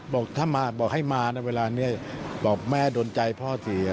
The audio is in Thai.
บอกให้มาแต่เวลานี้บอกแม่โดนใจพ่อสี